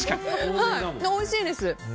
でも、おいしいです。